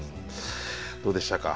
どうでしたか？